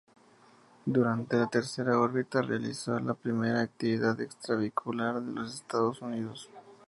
Durante la tercera órbita realizó la primera actividad extra vehicular de los Estados Unidos.